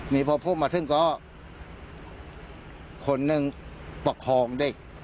นี่พอพูดมาถึงก็คนหนึ่งประคองเด็ก